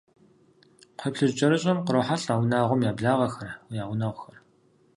КхъуейплъыжькӀэрыщӀэм кърохьэлӀэ унагъуэм я благъэхэр, я гъунэгъухэр.